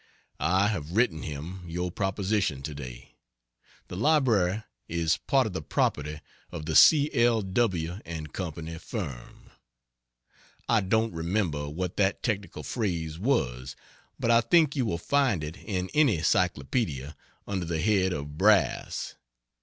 I have written him your proposition to day. (The Library is part of the property of the C. L. W. & Co. firm.) I don't remember what that technical phrase was, but I think you will find it in any Cyclopedia under the head of "Brass."